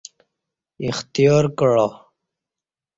اختیار کعا